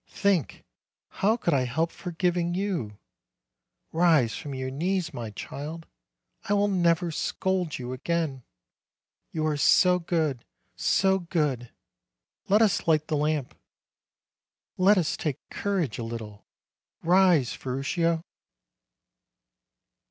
Think, how could I help forgiving you! Rise from your knees, my child. I will never scold you again. You are so good, so good ! Let us light the lamp. Let us take courage a little. Rise, Ferruccio."